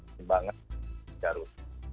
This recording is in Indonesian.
kembangan dan arus